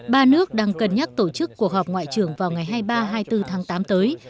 ba nước đang cân nhắc tổ chức cuộc họp ngoại trưởng vào ngày hai mươi ba hai mươi bốn tháng tám tới